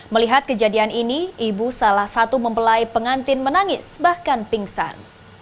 melihat kejadian ini ibu salah satu mempelai pengantin menangis bahkan pingsan